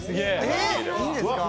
いいんですか？